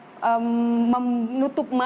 karena sekali lagi kita tidak bisa menutup mata gitu ya